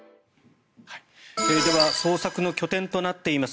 では捜索の拠点となっています